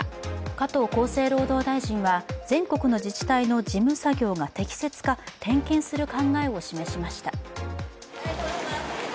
加藤厚生労働大臣は全国の自治体の事務作業が適切か、点検する考えを示しました